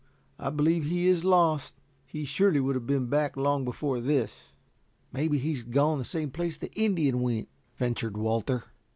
I believe he is lost. He surely would have been back long before this." "Maybe he's gone the same place the Indian went," ventured Walter.